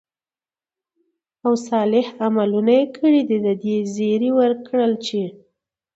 او صالح عملونه ئې كړي، د دې زېرى وركړه چې: